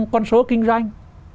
con số kinh doanh